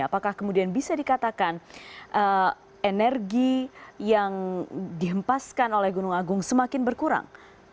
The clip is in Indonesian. apakah kemudian bisa dikatakan energi yang dihempaskan oleh gunung agung semakin berkurang